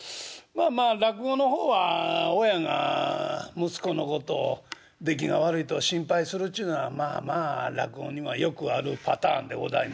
まあまあ落語の方は親が息子のことを出来が悪いと心配するちゅうのはまあまあ落語にはよくあるパターンでございますんですけれどな。